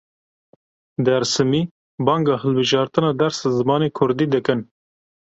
Dersîmî banga hilbijartina dersa zimanê kurdî dikin.